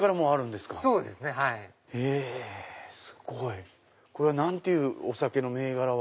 すごい！これは何ていうお酒の銘柄は。